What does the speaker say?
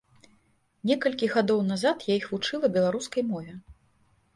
Некалькі гадоў назад я іх вучыла беларускай мове.